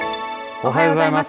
おはようございます。